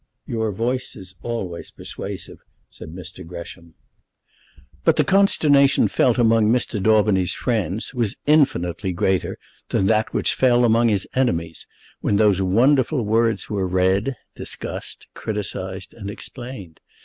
"Your voice is always persuasive," said Mr. Gresham. But the consternation felt among Mr. Daubeny's friends was infinitely greater than that which fell among his enemies, when those wonderful words were read, discussed, criticised, and explained.